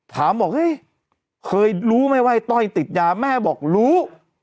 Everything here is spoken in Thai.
บอกเฮ้ยเคยรู้ไหมว่าไอ้ต้อยติดยาแม่บอกรู้